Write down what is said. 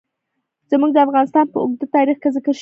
زمرد د افغانستان په اوږده تاریخ کې ذکر شوی دی.